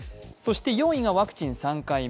４位がワクチン３回目。